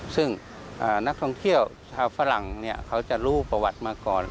ซึ่งนักท่องเที่ยวชาวฝรั่งเขาจะรู้ประวัติมาก่อน